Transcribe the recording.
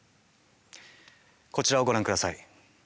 こちらをご覧ください。